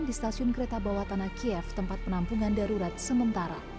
di stasiun kereta bawah tanah kiev tempat penampungan darurat sementara